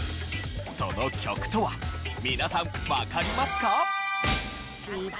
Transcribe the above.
その曲とは皆さんわかりますか？